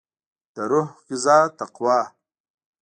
دروح غذا تقوا